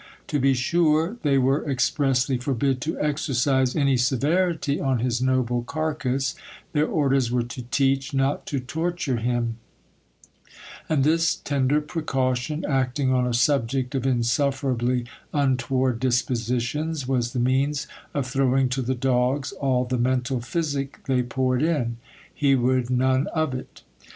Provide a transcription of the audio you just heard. To be sure, they were expressly forbid to exercise any severity on his noble carcase, their orders were to teach, not to torture him ; and this tender precaution, act ing on a subject of insufferably untoward dispositions, was the means of throw ing to the dogs all the mental physic they poured in ; he would none of it.